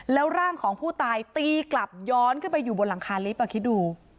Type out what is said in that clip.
แล้วร่างของผู้ตายตีกลับย้อนขึ้นไปอยู่บนหลังคาลิฟต์คิดดู